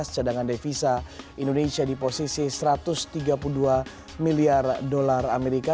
cadangan devisa indonesia di posisi satu ratus tiga puluh dua miliar dolar amerika